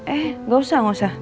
eh gak usah gak usah